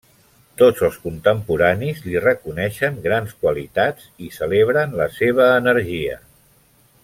Tots els contemporanis li reconeixen grans qualitats i celebren la seva energia.